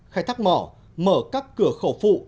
khai thác mỏ mở các cửa khẩu phụ